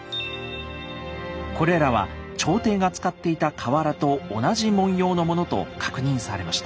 これらは朝廷が使っていた瓦と同じ紋様のものと確認されました。